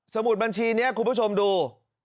มุดบัญชีนี้คุณผู้ชมดู